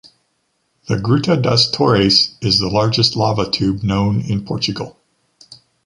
The Gruta das Torres is the largest lava tube known in Portugal.